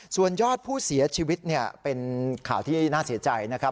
ส่วนยอดผู้เสียชีวิตเป็นข่าวที่น่าเสียใจนะครับ